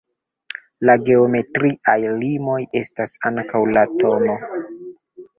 La geometriaj limoj estas ankaŭ la tn.